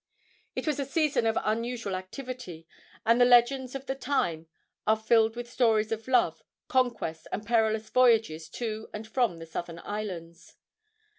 It was a season of unusual activity, and the legends of the time are filled with stories of love, conquest and perilous voyages to and from the southern islands.